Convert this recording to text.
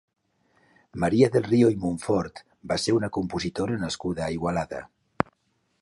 Maria del Rio i Montfort va ser una compositora nascuda a Igualada.